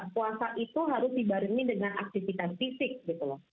puasa itu harus dibarengi dengan aktivitas fisik gitu loh